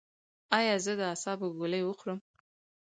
ایا زه د اعصابو ګولۍ وخورم؟